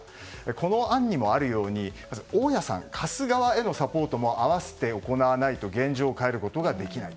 この案にもあるように大家さん貸す側へのサポートも併せて行わないと現状、変えることができない。